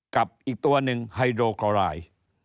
กับอีกตัวหนึ่งไฮโดกอราย